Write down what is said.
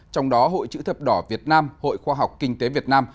trong đó hội chữ thập đỏ việt nam hội khoa học kinh tế việt nam